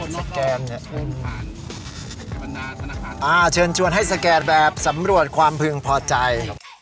สแกนเนี่ยเชิญชวนให้สแกนแบบสำรวจความพึงพอใจ